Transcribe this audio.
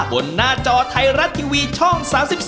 หน้าจอไทยรัฐทีวีช่อง๓๒